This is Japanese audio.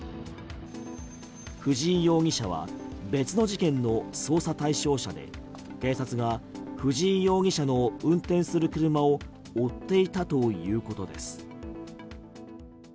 藤井容疑者は別の事件の捜査対象者で警察が藤井容疑者の運転する車を追っていたということです。